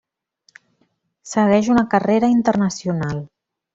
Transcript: Segueix una carrera internacional.